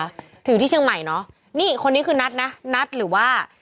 ถืออยู่ที่เชียงใหม่เนอะนี่คนนี้คือนัทนะนัทหรือว่า